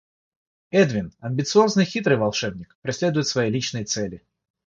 Эдвин, амбициозный и хитрый волшебник, преследует свои личные цели.